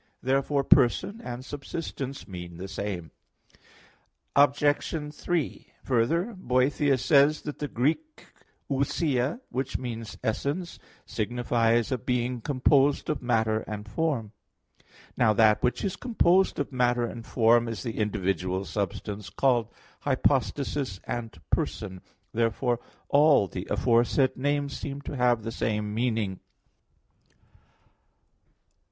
Therefore "person" and "subsistence" mean the same. Obj. 3: Further, Boethius says (Com. Praed.) that the Greek ousia, which means essence, signifies a being composed of matter and form. Now that which is composed of matter and form is the individual substance called "hypostasis" and "person." Therefore all the aforesaid names seem to have the same meaning.